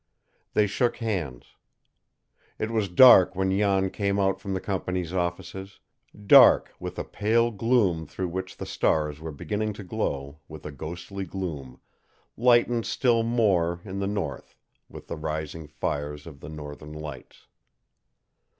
They shook hands. It was dark when Jan came out from the company's offices, dark with a pale gloom through which the stars were beginning to glow with a ghostly gloom, lightened still more in the north with the rising fires of the northern lights.